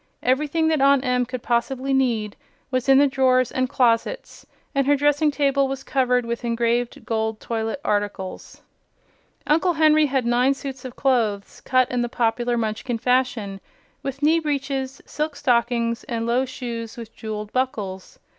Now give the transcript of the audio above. Everything that Aunt Em could possibly need was in the drawers and closets, and her dressing table was covered with engraved gold toilet articles. Uncle Henry had nine suits of clothes, cut in the popular Munchkin fashion, with knee breeches, silk stockings, and low shoes with jeweled buckles.